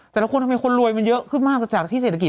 แต่ละคนทำไมคนรวยมันเยอะขึ้นมากจากที่เศรษฐกิจ